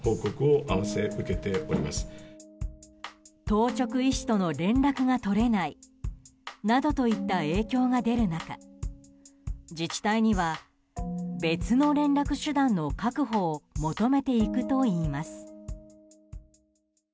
当直医師との連絡が取れないなどといった影響が出る中自治体には別の連絡手段の確保を求めていくといいます。